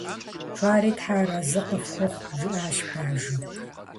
- Фэри Тхьэр арэзы къыфхухъу, - жиӏащ бажэм.